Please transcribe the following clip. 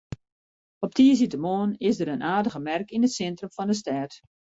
Op tiisdeitemoarn is der in aardige merk yn it sintrum fan de stêd.